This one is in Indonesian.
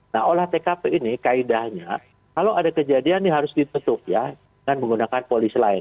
nah olah tkp ini kaedahnya kalau ada kejadian ini harus ditutup ya dengan menggunakan polis lain